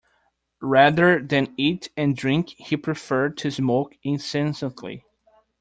Rather than eat and drink, he preferred to smoke incessantly